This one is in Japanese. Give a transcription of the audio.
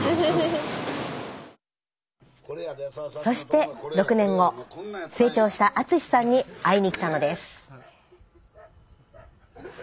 そして６年後成長した篤さんに会いに来たのです。